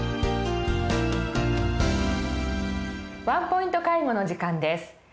「ワンポイント介護」の時間です。